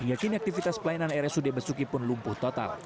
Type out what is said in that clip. ia kini aktivitas pelayanan rsud besuki pun lumpuh total